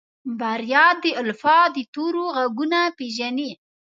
بريا د الفبا د تورو غږونه پېژني.